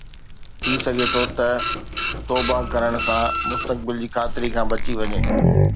ٿي سگهي ٿو ته توبه ڪرڻ سان مستقبل جي خطري کان بچي وڃي